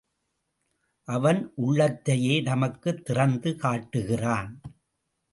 அவன் உள்ளத்தையே நமக்குத் திறந்து காட்டுகிறான்.